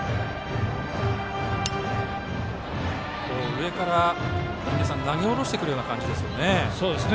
上から投げ下ろしてくるような感じですね。